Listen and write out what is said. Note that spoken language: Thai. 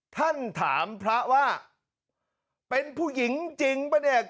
ท่านถามพระว่าเป็นผู้หญิงจริงป่ะเนี่ย